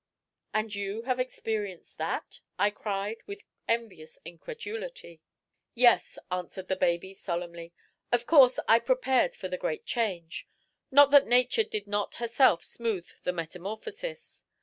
"And you have experienced that?" I cried, with envious incredulity. "Yes," answered the baby solemnly. "Of course I prepared for the Great Change. Not that Nature did not herself smooth the metamorphosis.